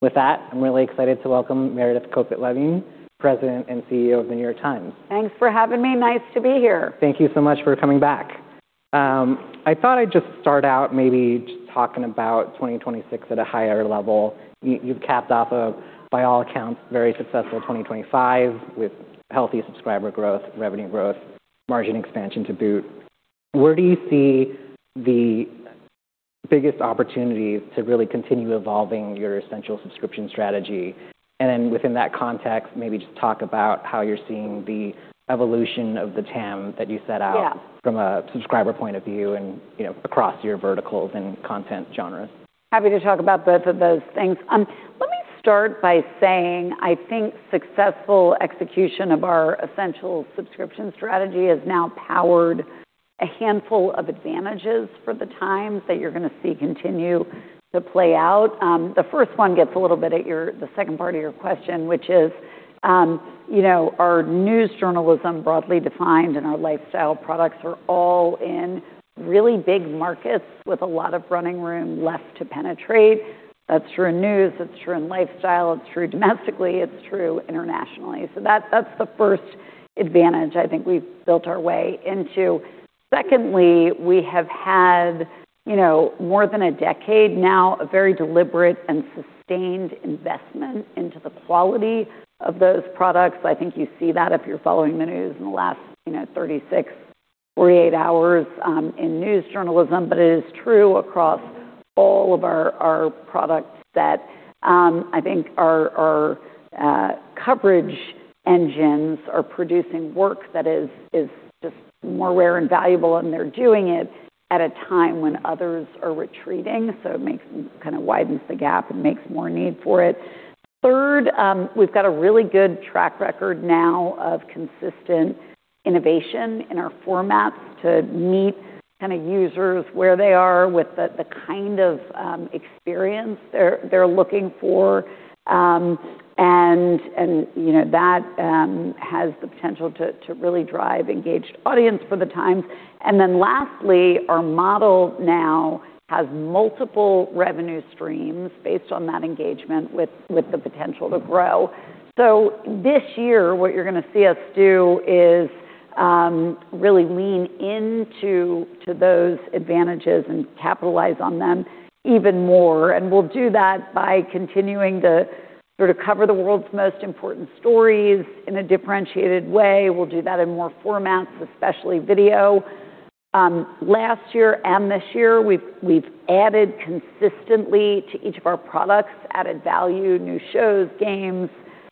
With that, I'm really excited to welcome Meredith Kopit Levien, President and CEO of The New York Times. Thanks for having me. Nice to be here. Thank you so much for coming back. I thought I'd just start out maybe just talking about 2026 at a higher level. You, you've cApped off a, by all accounts, very successful 2025 with healthy subscriber growth, revenue growth, margin expansion to boot. Where do you see the biggest opportunities to really continue evolving your essential subscription strategy? Within that context, maybe just talk about how you're seeing the evolution of the TAM that you set out. Yeah. From a subscriber point of view and, you know, across your verticals and content genres. HAppy to talk about both of those things. Let me start by saying I think successful execution of our essential subscription strategy has now powered a handful of advantages for The Times that you're gonna see continue to play out. The first one gets a little bit at your the second part of your question, which is, you know, our news journalism, broadly defined, and our lifestyle products are all in really big markets with a lot of running room left to penetrate. That's true in news, it's true in lifestyle, it's true domestically, it's true internationally. That, that's the first advantage I think we've built our way into. Secondly, we have had, you know, more than a decade now, a very deliberate and sustained investment into the quality of those products. I think you see that if you're following the news in the last, you know, 36 hours, 48 hours in news journalism. It is true across all of our products that I think our coverage engines are producing work that is just more rare and valuable, and they're doing it at a time when others are retreating. It makes, kind a widens the gap and makes more need for it. Third, we've got a really good track record now of consistent innovation in our formats to meet kind a users where they are with the kind of experience they're looking for. And, you know, that has the potential to really drive engaged audience for The New York Times. Lastly, our model now has multiple revenue streams based on that engagement with the potential to grow. This year, what you're gonna see us do is really lean into those advantages and capitalize on them even more. We'll do that by continuing to sort of cover the world's most important stories in a differentiated way. We'll do that in more formats, especially Video. Last year and this year, we've added consistently to each of our Products, Added Value, New Shows, Games,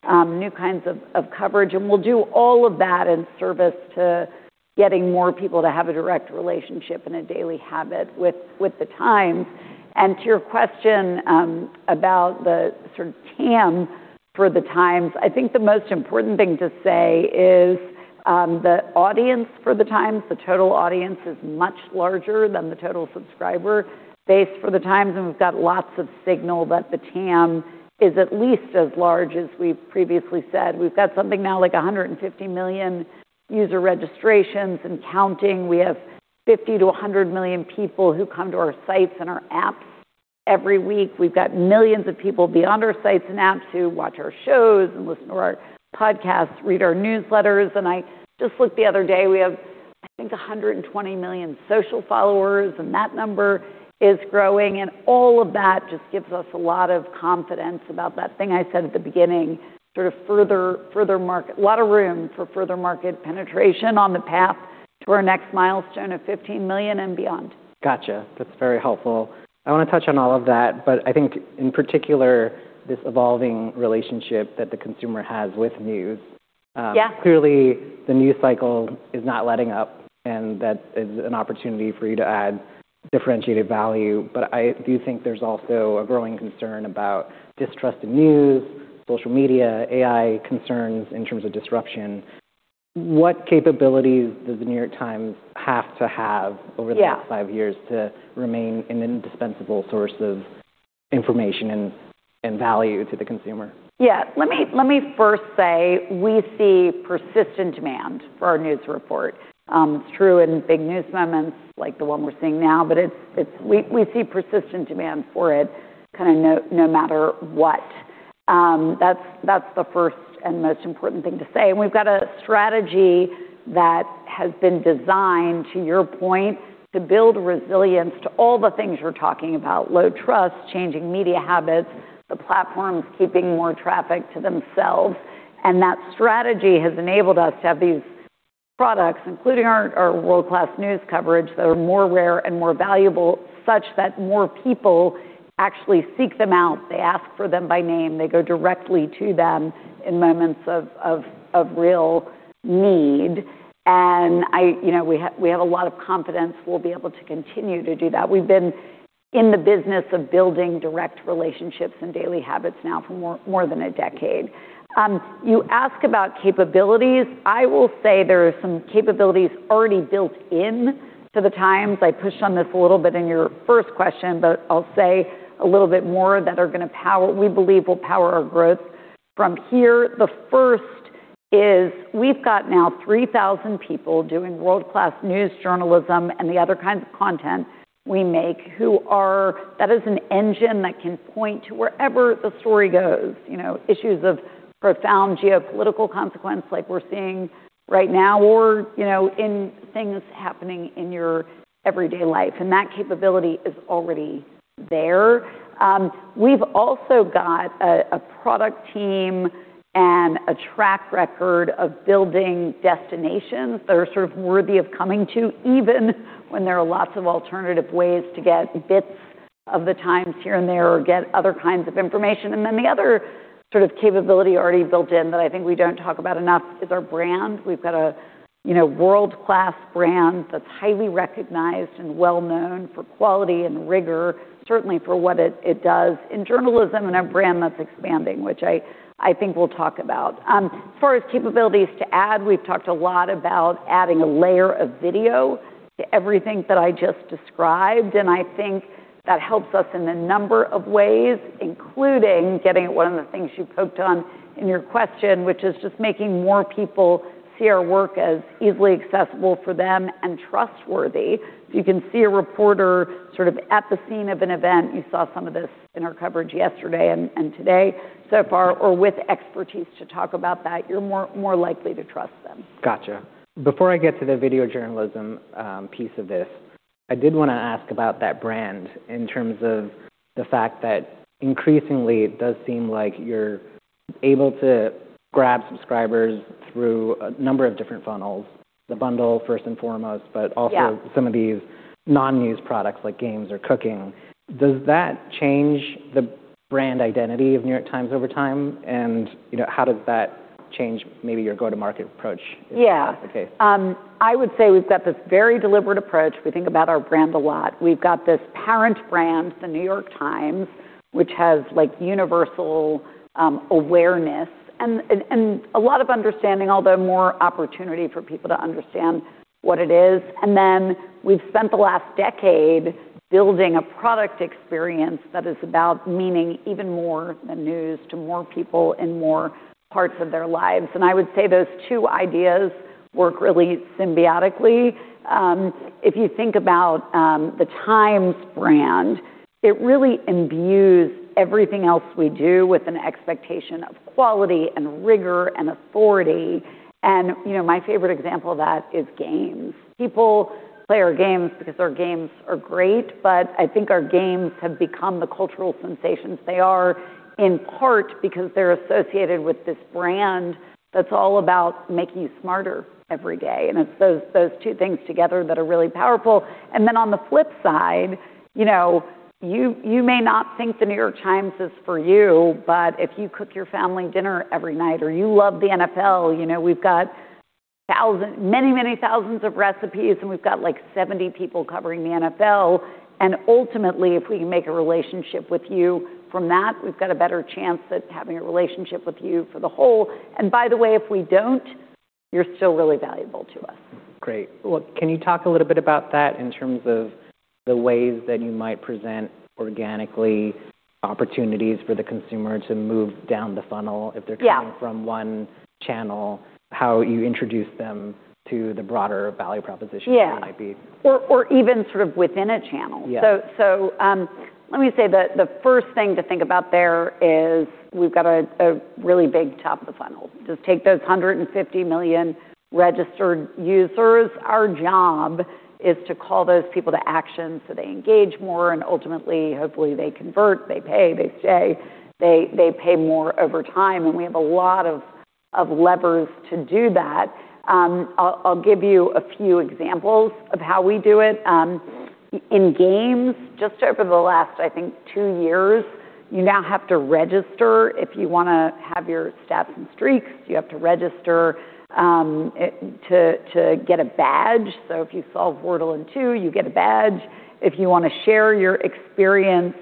new kinds of coverage. We'll do all of that in service to getting more people to have a direct relationship and a daily habit with The Times. To your question, about the sort of TAM for The Times, I think the most important thing to say is the audience for The Times, the total audience, is much larger than the total subscriber base for The Times. We've got lots of signal that the TAM is at least as large as we've previously said. We've got something now, like 150 million user registrations and counting. We have 50 million-100 million people who come to our Sites and our Apps every week. We've got millions of people beyond our sites and Apps who watch our shows and listen to our podcasts, read our newsletters. I just looked the other day, we have, I think, 120 million Social Followers, and that number is growing. All of that just gives us a lot of confidence about that thing I said at the beginning, sort of further market. A lot of room for further market penetration on the path to our next milestone of 15 million and beyond. Gotcha. That's very helpful. I wanna touch on all of that, I think in particular, this evolving relationship that the consumer has with news. Yeah. Clearly, the news cycle is not letting up, and that is an opportunity for you to add differentiated value. I do think there's also a growing concern about distrust in news, social Media, AI concerns in terms of disruption. What capabilities does The New York Times have to have over the- Yeah. Next five years to remain an indispensable source of information and value to the consumer? Yeah. Let me, let me first say we see persistent demand for our news report. It's true in big news moments like the one we're seeing now, but We see persistent demand for it kind of no matter what. That's the first and most important thing to say. We've got a strategy that has been designed, to your point, to build resilience to all the things you're talking about. Low trust, changing Media habits, the platforms keeping more traffic to themselves. That strategy has enabled us to have these products, including our world-class news coverage, that are more rare and more valuable, such that more people actually seek them out. They ask for them by name. They go directly to them in moments of real need. I. You know, we have a lot of confidence we'll be able to continue to do that. We've been in the business of building direct relationships and daily habits now for more than a decade. You ask about capabilities. I will say there are some capabilities already built into The Times. I pushed on this a little bit in your first question, I'll say a little bit more that are gonna power we believe will power our growth from here. The first is we've got now 3,000 people doing world-class news journalism and the other kinds of content we make. That is an engine that can point to wherever the story goes, you know, issues of profound geopolitical consequence like we're seeing right now or, you know, in things hAppening in your everyday life. That capability is already there. We've also got a product team and a track record of building destinations that are sort of worthy of coming to, even when there are lots of alternative ways to get bits of the Times here and there or get other kinds of information. Then the other sort of capability already built in that I think we don't talk about enough is our brand. We've got a, you know, world-class brand that's highly recognized and well-known for quality and rigor, certainly for what it does in Journalism and a brand that's expanding, which I think we'll talk about. As far as capabilities to add, we've talked a lot about adding a layer of Video to everything that I just described, and I think that helps us in a number of ways, including getting at one of the things you poked on in your question, which is just making more people see our work as easily accessible for them and trustworthy. If you can see a reporter sort of at the scene of an event, you saw some of this in our coverage yesterday and today so far, or with expertise to talk about that, you're more likely to trust them. Gotcha. Before I get to the Video journalism, piece of this, I did wanna ask about that brand in terms of the fact that increasingly it does seem like you're able to grab subscribers through a number of different funnels, the bundle first and foremost- Yeah Also some of these non-news products like games or cooking. Does that change the brand identity of The New York Times over time? You know, how does that change maybe your go-to-market Approach? Yeah .If that's the case? I would say we've got this very deliberate Approach. We think about our brand a lot. We've got this parent brand, The New York Times, which has, like, universal awareness and a lot of understanding, although more opportunity for people to understand what it is. We've spent the last decade building a product experience that is about meaning even more than news to more people in more parts of their lives. I would say those two ideas work really symbiotically. If you think about the Times brand, it really imbues everything else we do with an expectation of quality and rigor and authority. You know, my favorite example of that is games. People play our games because our games are great, but I think our games have become the cultural sensations they are in part because they're associated with this brand that's all about making you smarter every day. It's those two things together that are really powerful. On the flip side, you know, you may not think The New York Times is for you, but if you cook your family dinner every night or you love the NFL, you know, we've got many thousands of recipes, and we've got, like, 70 people covering the NFL. Ultimately, if we can make a relationship with you from that, we've got a better chance at having a relationship with you for the whole. By the way, if we don't, you're still really valuable to us. Great. Well, can you talk a little bit about that in terms of the ways that you might present organically opportunities for the consumer to move down the funnel? Yeah If they're coming from one channel, how you introduce them to the broader value proposition Yeah That might be. Even sort of within a channel. Yeah. Let me say the first thing to think about there is we've got a really big top of the funnel. Just take those 150 million registered users. Our job is to call those people to action so they engage more and ultimately, hopefully, they convert, they pay, they stay, they pay more over time. We have a lot of levers to do that. I'll give you a few examples of how we do it. In games, just over the last, I think, two years, you now have to register if you wanna have your stats and streaks. You have to register to get a badge. If you solve Wordle in two, you get a badge. If you wanna share your experience,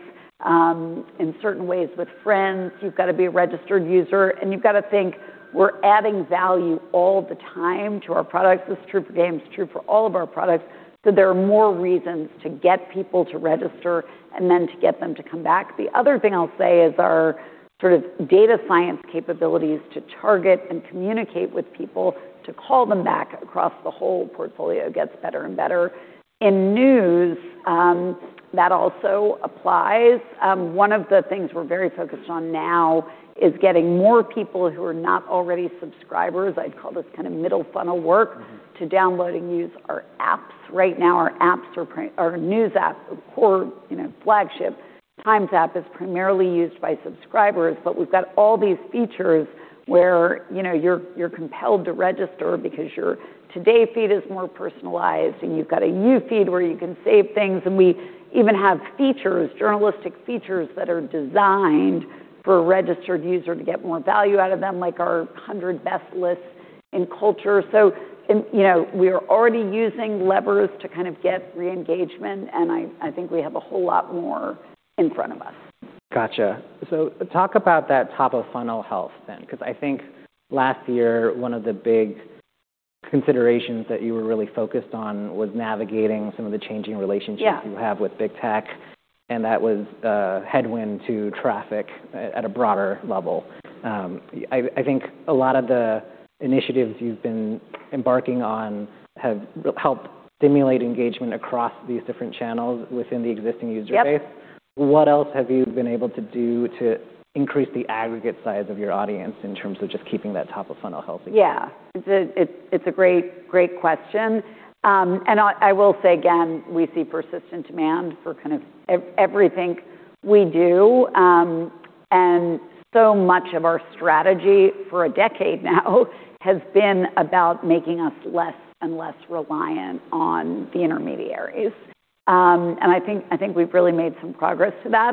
in certain ways with friends, you've got to be a registered user, and you've got to think we're adding value all the time to our products. This is true for games, true for all of our products. There are more reasons to get people to register and then to get them to come back. The other thing I'll say is our sort of Data Science capabilities to target and communicate with people, to call them back across the whole portfolio gets better and better. In news, that also Applies. One of the things we're very focused on now is getting more people who are not already subscribers, I'd call this kind of middle funnel work. Mm-hmm To download and use our Apps. Right now, our Apps are Our news App, our core, you know, flagship The New York Times App is primarily used by subscribers. We've got all these features where, you know, you're compelled to register because your Today feed is more personalized and you've got a You feed where you can save things. We even have features, journalistic features that are designed for a registered user to get more value out of them, like our 100 best lists in culture. And, you know, we are already using levers to kind of get re-engagement, and I think we have a whole lot more in front of us. Gotcha. Talk about that top-of-funnel health then, because I think last year one of the big considerations that you were really focused on was navigating some of the changing relationships. Yeah You have with big tech, and that was a headwind to traffic at a broader level. I think a lot of the initiatives you've been embarking on have helped stimulate engagement across these different channels within the existing user base. Yep. What else have you been able to do to increase the aggregate size of your audience in terms of just keeping that top of funnel healthy? Yeah. It's a, it's a great question. I will say again, we see persistent demand for kind of everything we do. So much of our strategy for a decade now has been about making us less and less reliant on the interMediaries. I think we've really made some progress to that.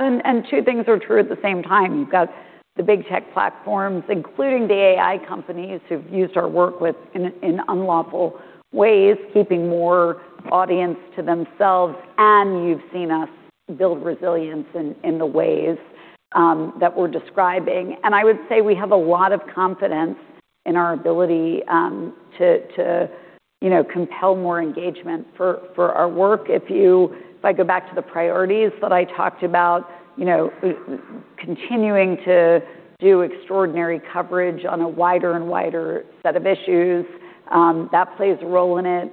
Two things are true at the same time. You've got the big tech platforms, including the AI companies who've used our work in unlawful ways, keeping more audience to themselves, and you've seen us build resilience in the ways that we're describing. I would say we have a lot of confidence in our ability to, you know, compel more engagement for our work. If I go back to the priorities that I talked about, you know, continuing to do extraordinary coverage on a wider and wider set of issues, that plays a role in it.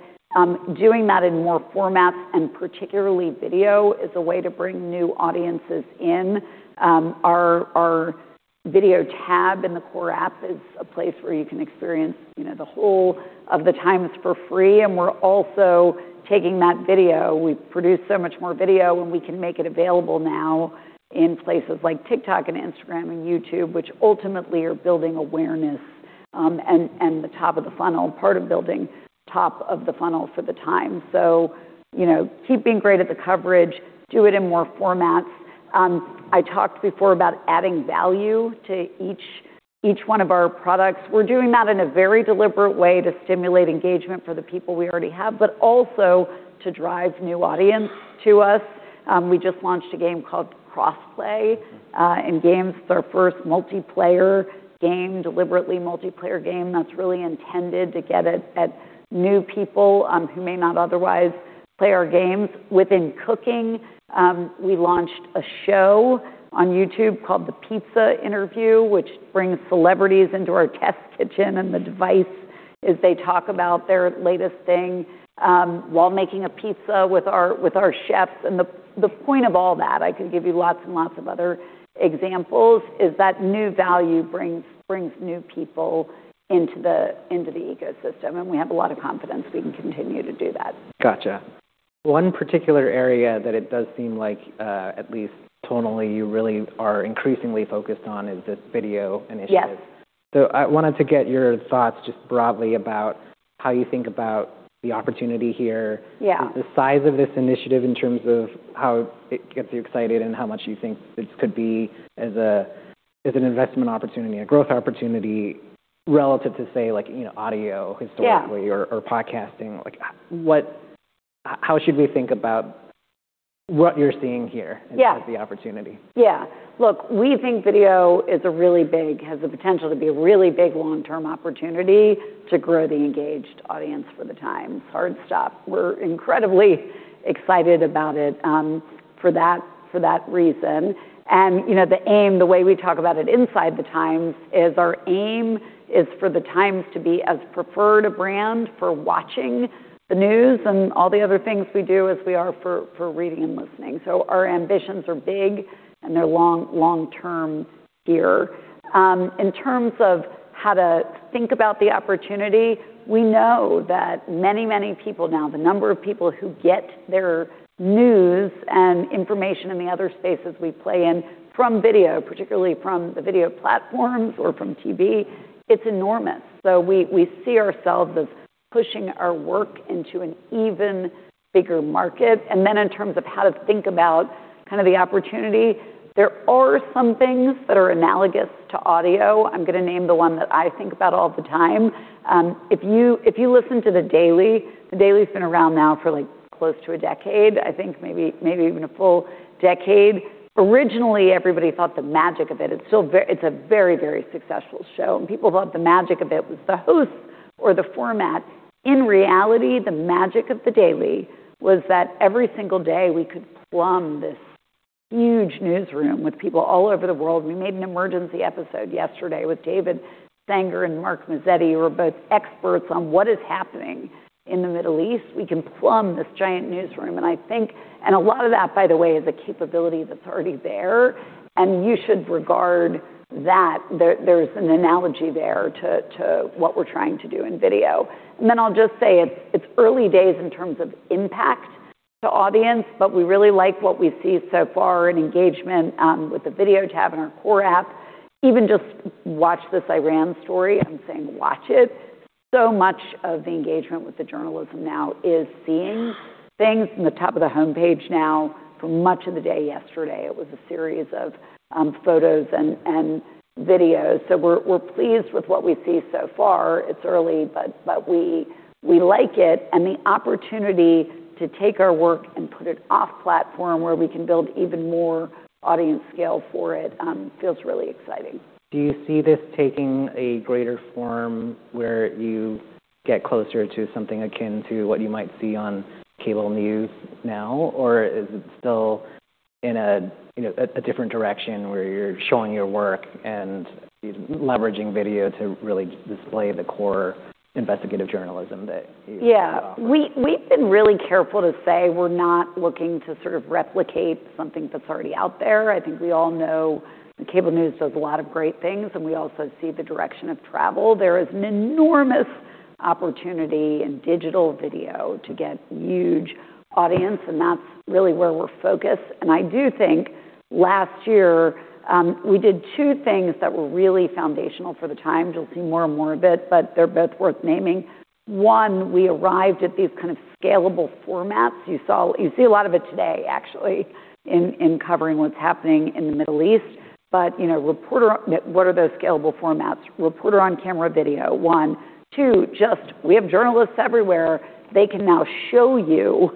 Doing that in more formats, and particularly Video, is a way to bring new audiences in. Our Video tab in the core App is a place where you can experience, you know, the whole of The Times for free, we're also taking that Video. We produce so much more Video, and we can make it available now in places like TikTok and Instagram and YouTube, which ultimately are building awareness, and the top of the funnel, part of building top of the funnel for The Times. You know, keep being great at the coverage, do it in more formats. I talked before about adding value to each one of our products. We're doing that in a very deliberate way to stimulate engagement for the people we already have, but also to drive new audience to us. We just launched a game called CrossPlay in Games. It's our first c, deliberately Multiplayer Game, that's really intended to get it at new people who may not otherwise play our games. Within Cooking, we launched a show on YouTube called The Pizza Interview, which brings celebrities into our test kitchen and the device as they talk about their latest thing while making a pizza with our chefs. The point of all that, I could give you lots and lots of other examples, is that new value brings new people into the Ecosystem, and we have a lot of confidence we can continue to do that. Gotcha. One particular area that it does seem like, at least tonally, you really are increasingly focused on is this Video initiative. Yes. I wanted to get your thoughts just broadly about how you think about the opportunity here. Yeah The size of this initiative in terms of how it gets you excited and how much you think this could be as an investment opportunity, a growth opportunity relative to, say, like, you know, audio historically... Yeah Or podcasting. Like, how should we think about what you're seeing here? Yeah As the opportunity? Yeah. Look, we think Video has the potential to be a really big long-term opportunity to grow the engaged audience for The New York Times. Hard stop. We're incredibly excited about it for that reason. You know, the aim, the way we talk about it inside The New York Times is our aim is for The New York Times to be as preferred a brand for watching the news and all the other things we do as we are for reading and listening. Our ambitions are big, and they're long-term here. In terms of how to think about the opportunity, we know that many people now, the number of people who get their news and information in the other spaces we play in from Video, particularly from the Video Platforms or from TV, it's enormous. We see ourselves as pushing our work into an even bigger market. Then in terms of how to think about kind of the opportunity, there are some things that are analogous to audio. I'm gonna name the one that I think about all the time. If you listen to The Daily, The Daily's been around now for, like, close to a decade, I think maybe even a full decade. Originally, everybody thought the magic of it. It's still a very successful show. People thought the magic of it was the host or the format. In reality, the magic of The Daily was that every single day we could plumb this huge newsroom with people all over the world. We made an emergency episode yesterday with David Sanger and Mark Mazzetti, who are both experts on what is hAppening in the Middle East. We can plumb this giant newsroom. A lot of that, by the way, is a capability that's already there, and you should regard that there's an analogy there to what we're trying to do in Video. I'll just say it's early days in terms of impact to audience, but we really like what we see so far in engagement with the Video tab in our core App. Even just watch this Iran story. I'm saying watch it. So much of the engagement with the journalism now is seeing things from the top of the homepage now. For much of the day yesterday, it was a series of photos and Videos. We're pleased with what we see so far. It's early, but we like it, and the opportunity to take our work and put it off-platform where we can build even more audience scale for it, feels really exciting. Do you see this taking a greater form where you get closer to something akin to what you might see on cable news now? Is it still in a, you know, a different direction where you're showing your work and you're leveraging Video to really display the core investigative journalism that you offer? Yeah. We've been really careful to say we're not looking to sort of replicate something that's already out there. I think we all know that cable news does a lot of great things, and we also see the direction of travel. There is an enormous opportunity in digital Video to get huge audience, and that's really where we're focused. I do think last year, we did two things that were really foundational for the Times. You'll see more and more of it, but they're both worth naming. One, we arrived at these kind of scalable formats. You see a lot of it today actually in covering what's hAppening in the Middle East. You know, What are those scalable formats? Reporter on-camera Video, one. Two, just we have journalists everywhere. They can now show you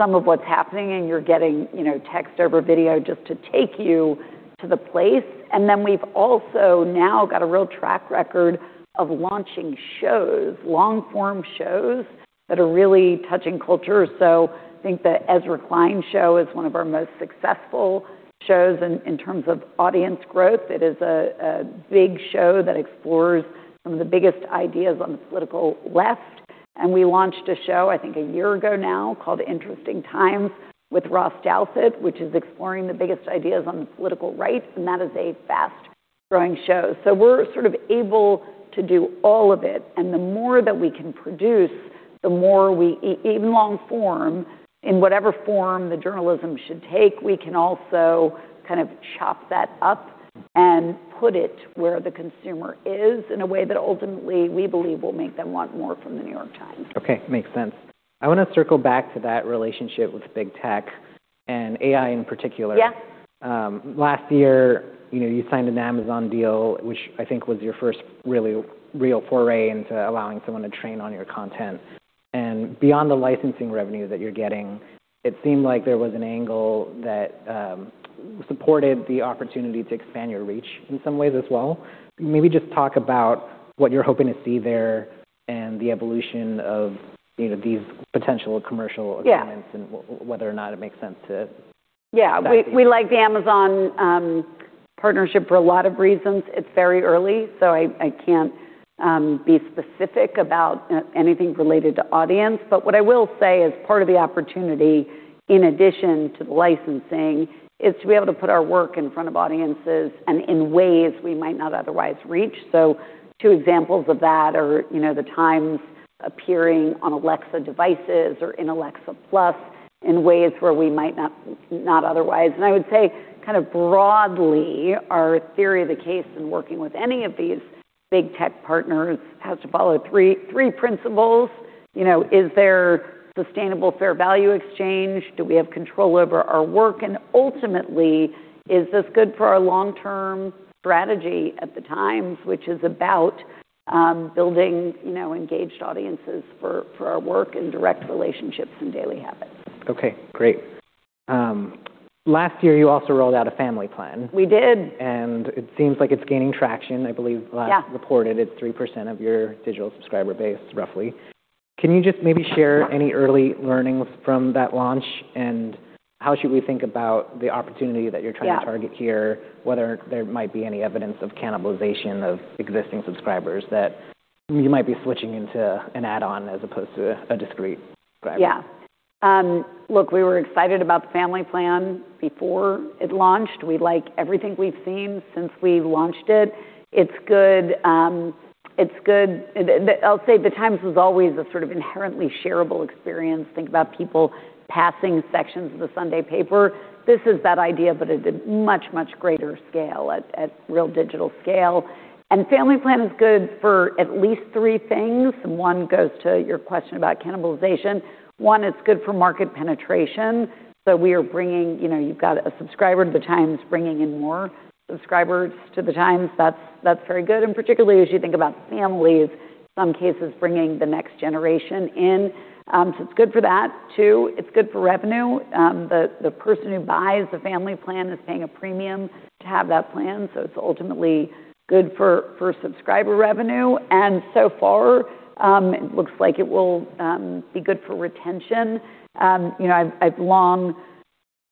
some of what's hAppening, and you're getting, you know, text over Video just to take you to the place. Then we've also now got a real track record of launching shows, long-form shows that are really touching culture. I think the Ezra Klein Show is one of our most successful shows in terms of audience growth. It is a big show that explores some of the biggest ideas on the political left. We launched a show, I think a year ago now, called Interesting Times with Ross Douthat, which is exploring the biggest ideas on the political right, and that is a fast-growing show. We're sort of able to do all of it. The more that we can produce, the more we... Even long form, in whatever form the journalism should take, we can also kind of chop that up and put it where the consumer is in a way that ultimately we believe will make them want more from The New York Times. Okay. Makes sense. I want to circle back to that relationship with big tech and AI in particular. Yeah. Last year, you know, you signed an Amazon deal, which I think was your first really real foray into allowing someone to train on your content. Beyond the licensing revenue that you're getting, it seemed like there was an angle that, supported the opportunity to expand your reach in some ways as well. Maybe just talk about what you're hoping to see there and the evolution of, you know, these potential commercial agreements... Yeah. whether or not it makes sense to Yeah. That piece. We like the Amazon partnership for a lot of reasons. It's very early, so I can't be specific about anything related to audience. What I will say is part of the opportunity, in addition to the licensing, is to be able to put our work in front of audiences and in ways we might not otherwise reach. Two examples of that are, you know, The Times Appearing on Alexa devices or in Alexa Plus in ways where we might not otherwise. I would say kind of broadly, our theory of the case in working with any of these big tech partners has to follow three principles. You know, is there sustainable fair value exchange? Do we have control over our work? Ultimately, is this good for our long-term strategy at The Times, which is about, building, you know, engaged audiences for our work and direct relationships and daily habits. Okay, great. Last year you also rolled out a family plan. We did. It seems like it's gaining traction. Yeah. Last reported it's 3% of your digital subscriber base, roughly. Can you just maybe share any early learnings from that launch? how should we think about the opportunity that you're trying. Yeah. To target here, whether there might be any evidence of cannibalization of existing subscribers that you might be switching into an add-on as opposed to a discrete subscriber? Yeah. Look, we were excited about the family plan before it launched. We like everything we've seen since we launched it. It's good. I'll say The Times was always a sort of inherently shareable experience. Think about people passing sections of the Sunday paper. This is that idea, but at a much greater scale, at real digital scale. Family plan is good for at least three things, and one goes to your question about cannibalization. One, it's good for market penetration. We are bringing, you know, you've got a subscriber to The Times bringing in more subscribers to The Times. That's very good. Particularly as you think about families, some cases bringing the next generation in. It's good for that too. It's good for revenue. The person who buys the family plan is paying a premium to have that plan, so it's ultimately good for subscriber revenue. So far, it looks like it will be good for retention. You know, I've long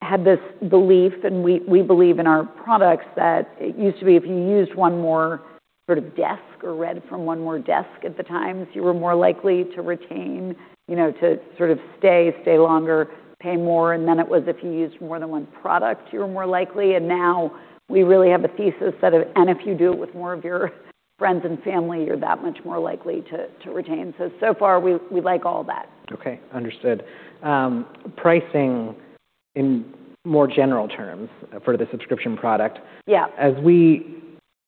had this belief, and we believe in our products, that it used to be if you used one more sort of desk or read from one more desk at The Times, you were more likely to retain, you know, to sort of stay longer, pay more, and then it was if you used more than one product, you were more likely. Now we really have a thesis that if you do it with more of your friends and family, you're that much more likely to retain. So far we like all that. Okay. Understood. Pricing in more general terms for the subscription product. Yeah. As we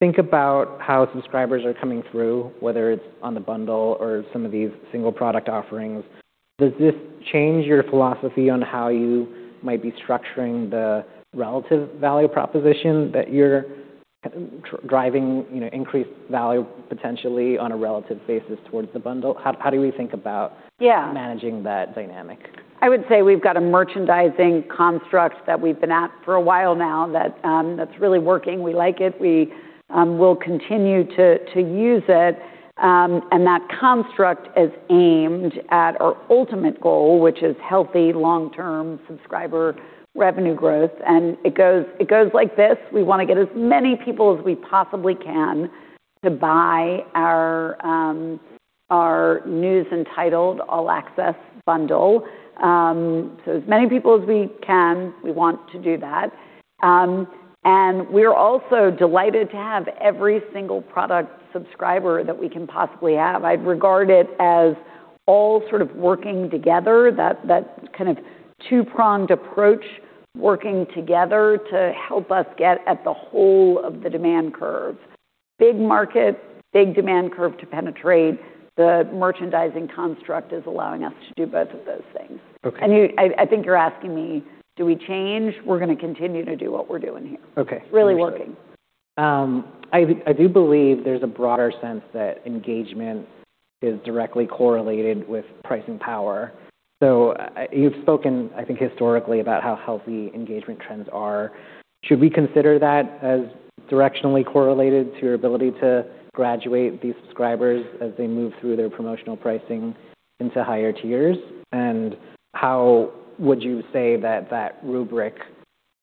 think about how subscribers are coming through, whether it's on the bundle or some of these single product offerings, does this change your philosophy on how you might be structuring the relative value proposition that you're driving, you know, increased value potentially on a relative basis towards the bundle? How do we think about? Yeah. Managing that dynamic? I would say we've got a merchandising construct that we've been at for a while now that's really working. We like it. We will continue to use it. That construct is aimed at our ultimate goal, which is healthy long-term subscriber revenue growth. It goes like this. We want to get as many people as we possibly can to buy our news entitled All Access Bundle. As many people as we can, we want to do that. We're also delighted to have every single product subscriber that we can possibly have. I'd regard it as all sort of working together, that kind of two-pronged Approach working together to help us get at the whole of the demand curve. Big market, big demand curve to penetrate. The merchandising construct is allowing us to do both of those things. Okay. I think you're asking me, do we change? We're gonna continue to do what we're doing here. Okay. Really working. I do believe there's a broader sense that engagement is directly correlated with pricing power. You've spoken, I think, historically about how healthy engagement trends are. Should we consider that as directionally correlated to your ability to graduate these subscribers as they move through their promotional pricing into higher tiers? How would you say that that rubric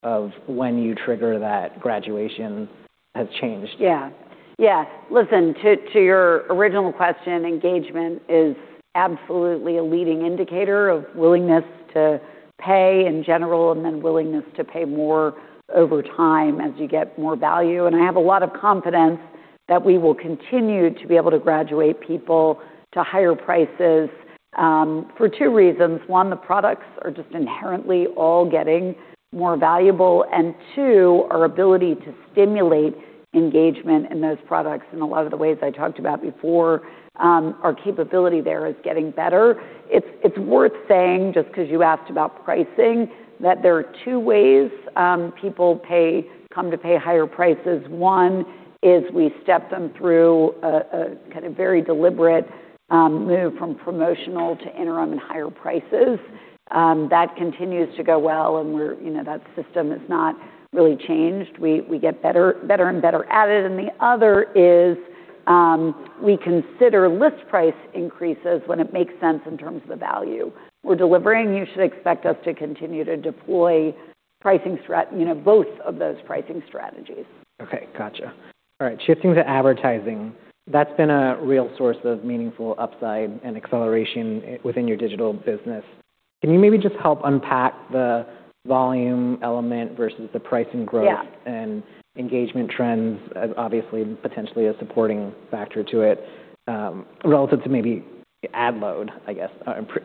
of when you trigger that graduation has changed? Yeah. Yeah. Listen, to your original question, engagement is absolutely a leading indicator of willingness to pay in general, and then willingness to pay more over time as you get more value. I have a lot of confidence that we will continue to be able to graduate people to higher prices, for two reasons. One, the products are just inherently all getting more valuable, and two, our ability to stimulate engagement in those products in a lot of the ways I talked about before, our capability there is getting better. It's worth saying, just 'cause you asked about pricing, that there are two ways, people come to pay higher prices. One is we step them through a kind of very deliberate, move from promotional to interim and higher prices. That continues to go well, and we're, you know, that system has not really changed. We get better and better at it. The other is, we consider list price increases when it makes sense in terms of the value. We're delivering, you should expect us to continue to deploy pricing strategies, you know, both of those pricing strategies. Okay. Gotcha. All right. Shifting to advertising, that's been a real source of meaningful upside and acceleration within your digital business. Can you maybe just help unpack the volume element versus the pricing growth- Yeah And engagement trends as obviously potentially a supporting factor to it, relative to maybe ad load, I guess,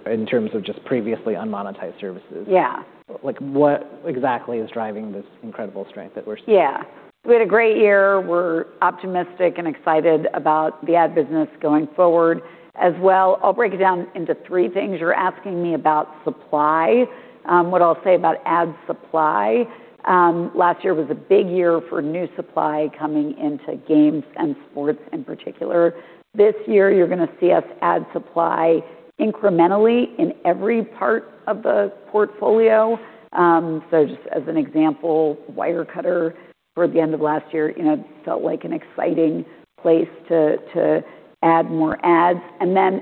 in terms of just previously unmonetized services. Yeah. Like, what exactly is driving this incredible strength that we're seeing? Yeah. We had a great year. We're optimistic and excited about the ad business going forward as well. I'll break it down into three things. You're asking me about supply. What I'll say about ad supply, last year was a big year for new supply coming into games and sports in particular. This year, you're gonna see us add supply incrementally in every part of the portfolio. Just as an example, Wirecutter for the end of last year, you know, felt like an exciting place to add more ads.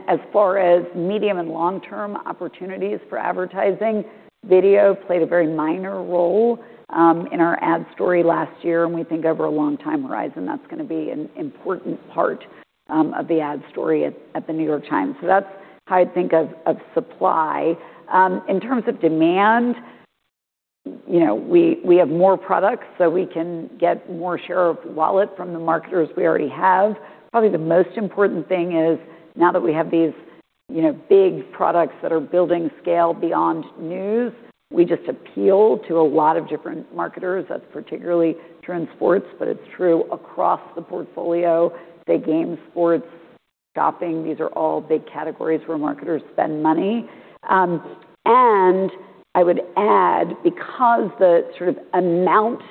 As far as medium and long-term opportunities for advertising, Video played a very minor role in our ad story last year, and we think over a long time horizon, that's gonna be an important part of the ad story at The New York Times. That's how I think of supply. In terms of demand, you know, we have more products, we can get more share of wallet from the marketers we already have. Probably the most important thing is now that we have these, you know, big products that are building scale beyond news, we just Appeal to a lot of different marketers. That's particularly true in sports, it's true across the portfolio. Say, games, sports, shopping, these are all big categories where marketers spend money. I would add because the sort of amount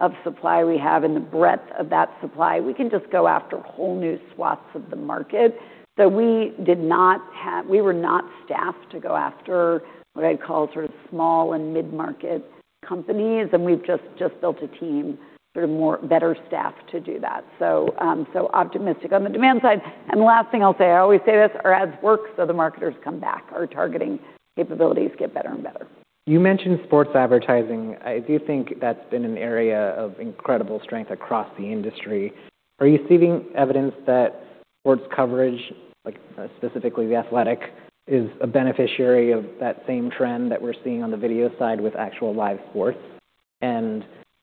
of supply we have and the breadth of that supply, we can just go after whole new swaths of the market that we did not have. We were not staffed to go after what I'd call sort of small and mid-market companies, and we've just built a team sort of more better staffed to do that. Optimistic on the demand side. The last thing I'll say, I always say this, our ads work, so the marketers come back. Our targeting capabilities get better and better. You mentioned sports advertising. I do think that's been an area of incredible strength across the industry. Are you seeing evidence that sports coverage, like specifically The Athletic, is a beneficiary of that same trend that we're seeing on the Video side with actual live sports?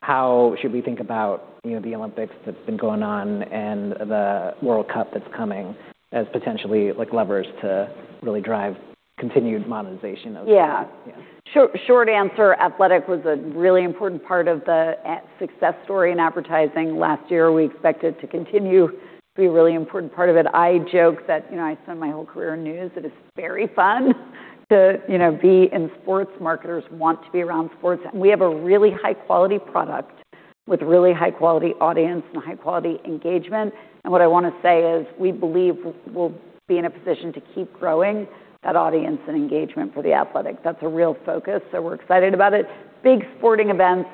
How should we think about, you know, the Olympics that's been going on and the World Cup that's coming as potentially like levers to really drive continued monetization of sports? Yeah. Yeah. Short answer, The Athletic was a really important part of the success story in advertising last year. We expect it to continue to be a really important part of it. I joke that, you know, I spent my whole career in news, and it's very fun to, you know, be in sports. Marketers want to be around sports. We have a really high-quality product with really high-quality audience and high-quality engagement. What I want to say is we believe we'll be in a position to keep growing that audience and engagement for The Athletic. That's a real focus, so we're excited about it. Big sporting events,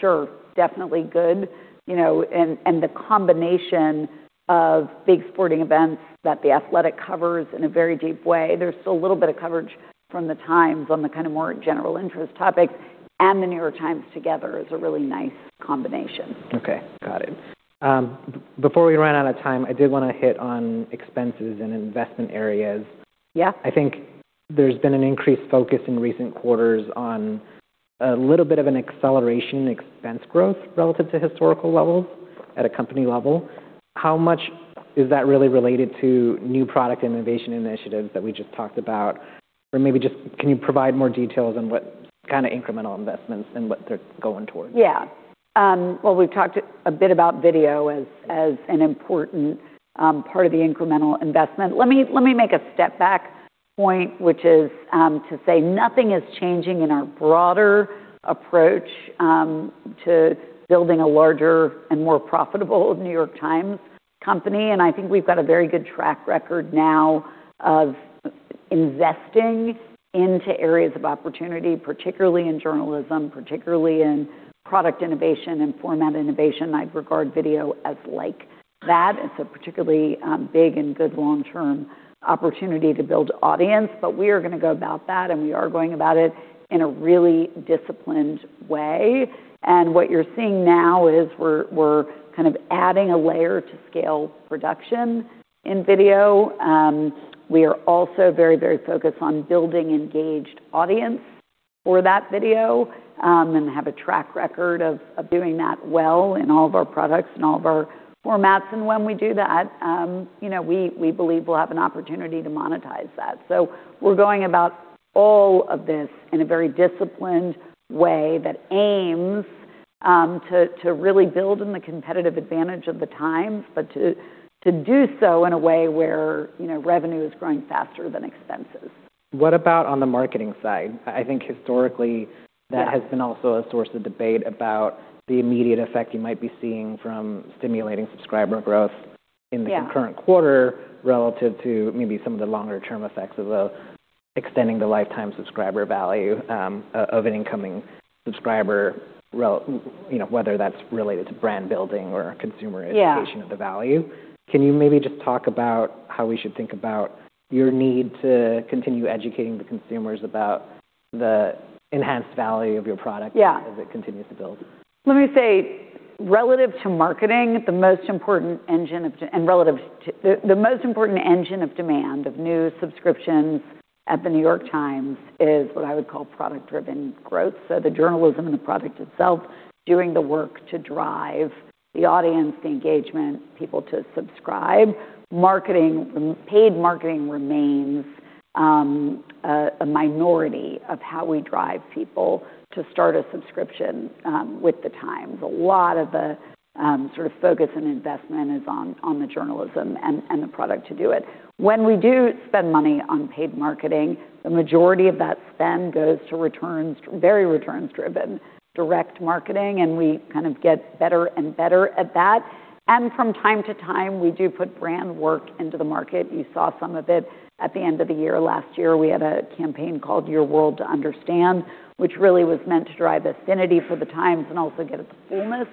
sure, definitely good. You know, and the combination of big sporting events that The Athletic covers in a very deep way. There's still a little bit of coverage from The Times on the kind of more general interest topics. The New York Times together is a really nice combination. Okay. Got it. Before we run out of time, I did wanna hit on expenses and investment areas. Yeah. I think there's been an increased focus in recent quarters on a little bit of an acceleration in expense growth relative to historical levels at a company level. How much is that really related to new product innovation initiatives that we just talked about? Maybe just can you provide more details on what kinda incremental investments and what they're going towards? Yeah. Well, we've talked a bit about Video as an important part of the incremental investment. Let me make a step-back point, which is to say nothing is changing in our broader Approach to building a larger and more profitable The New York Times Company. I think we've got a very good track record now of investing into areas of opportunity, particularly in journalism, particularly in product innovation and format innovation. I'd regard Video as like that. It's a particularly big and good long-term opportunity to build audience. We are gonna go about that. We are going about it in a really disciplined way. What you're seeing now is we're kind of adding a layer to scale production in Video. We are also very, very focused on building engaged audience for that Video, and have a track record of doing that well in all of our products and all of our formats. When we do that, you know, we believe we'll have an opportunity to monetize that. We're going about all of this in a very disciplined way that aims to really build in the competitive advantage of The Times, but to do so in a way where, you know, revenue is growing faster than expenses. What about on the marketing side? I think historically- Yeah That has been also a source of debate about the imMediate effect you might be seeing from stimulating subscriber growth. Yeah The concurrent quarter relative to maybe some of the longer term effects of extending the lifetime subscriber value, of an incoming subscriber, you know, whether that's related to brand building or consumer- Yeah Education of the value. Can you maybe just talk about how we should think about your need to continue educating the consumers about the enhanced value of your product-? Yeah as it continues to build? Let me say, relative to marketing, the most important engine of demand of new subscriptions at The New York Times is what I would call product-driven growth, so the journalism and the product itself doing the work to drive the audience, the engagement, people to subscribe. Marketing paid marketing remains a minority of how we drive people to start a subscription with The Times. A lot of the sort of focus and investment is on the journalism and the product to do it. When we do spend money on paid marketing, the majority of that spend goes to returns, very returns-driven direct marketing, and we kind of get better and better at that. From time to time, we do put brand work into the market. You saw some of it at the end of the year last year. We had a campaign called Your World to Understand, which really was meant to drive affinity for The Times and also get at the fullness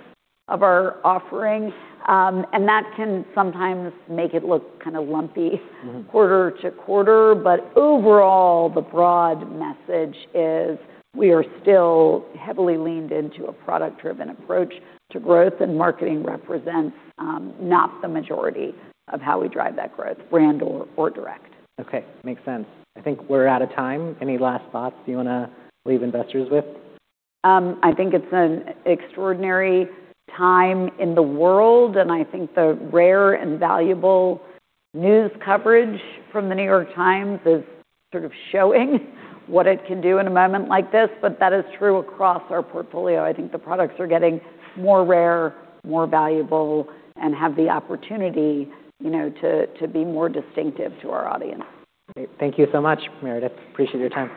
of our offering. That can sometimes make it look kinda lumpy quarter to quarter. Overall, the broad message is we are still heavily leaned into a product-driven Approach to growth, and marketing represents, not the majority of how we drive that growth, brand or direct. Okay. Makes sense. I think we're out of time. Any last thoughts you wanna leave investors with? I think it's an extraordinary time in the world, and I think the rare and valuable news coverage from The New York Times is sort of showing what it can do in a moment like this. That is true across our portfolio. I think the products are getting more rare, more valuable, and have the opportunity, you know, to be more distinctive to our audience. Great. Thank you so much, Meredith. Appreciate your time.